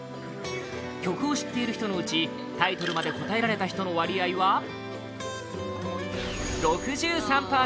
曲を知っている人のうちタイトルまで答えられた人の割合は、６３％！